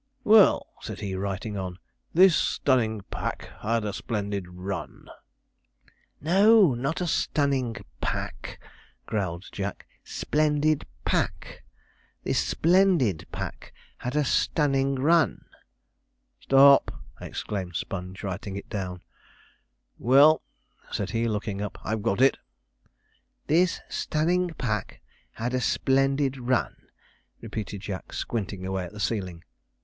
'Well,' said he, writing on, 'this stunning pack had a splendid run.' 'No, not stunning pack,' growled Jack, 'splendid pack "this splendid pack had a stunning run."' 'Stop!' exclaimed Sponge, writing it down; 'well,' said he looking up, 'I've got it.' 'This stunning pack had a splendid run,' repeated Jack, squinting away at the ceiling.